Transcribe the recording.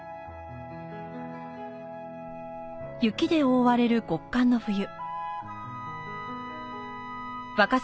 雪で覆われる極寒の冬。